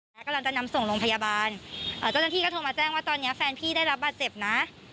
และกำลังจะนำส่งโรงพยาบาลเจ้าหน้าที่ก็โทรมาแจ้งว่าตอนนี้แฟนพี่ได้รับบาดเจ็บนะ